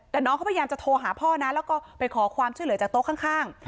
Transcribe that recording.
แต่น้องเขาพยายามจะโทรหาพ่อนะแล้วก็ไปขอความช่วยเหลือจากโต๊ะข้าง